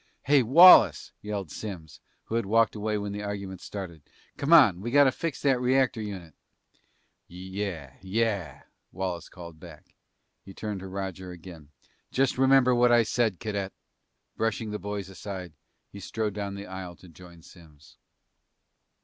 "Hey, Wallace," yelled Simms, who had walked away when the argument started. "Come on. We gotta fix that reactor unit!" "Yeah yeah," Wallace called back. He turned to Roger again. "Just remember what I said, cadet!" Brushing the boys aside, he strode down the aisle to join Simms.